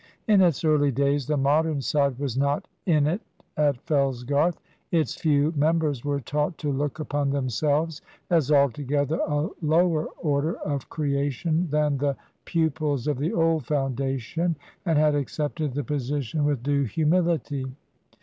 In its early days the Modern side was not "in it" at Fellsgarth. Its few members were taught to look upon themselves as altogether a lower order of creation than the pupils of the old foundation, and had accepted the position with due humility.